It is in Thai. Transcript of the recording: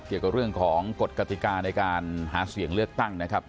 เกี่ยวกับเรื่องของกฎกติกาในการหาเสียงเลือกตั้งนะครับ